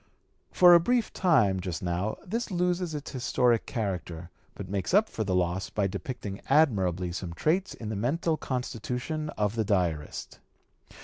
For a brief time just now this loses its historic character, but makes up for the loss by depicting admirably some traits in the mental constitution of the diarist.